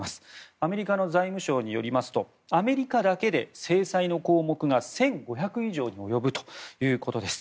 アメリカの財務省によりますとアメリカだけで制裁の項目が１５００以上に及ぶということです。